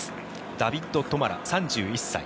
ダビッド・トマラ、３１歳。